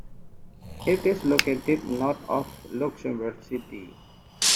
It is located north of Luxembourg City.